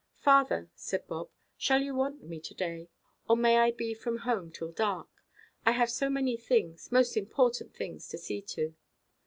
"Father," said Bob, "shall you want me to–day? Or may I be from home till dark? I have so many things, most important things, to see to."